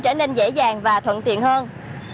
trở nên dễ dàng và thuận tiện hơn